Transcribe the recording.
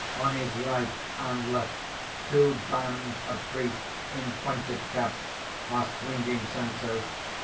_ _On his right and left, two bands of priests in pointed caps are swinging censers.